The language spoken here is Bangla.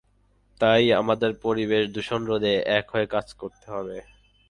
তাই আমাদের পরিবেশ দূষণরোধে এক হয়ে কাজ করতে হবে।